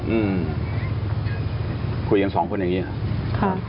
อืมคุยกันสองคนอย่างนี้ครับ